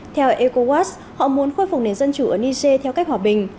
theo ecowas họ muốn khôi phục nền dân chủ ở niger theo cách hòa bình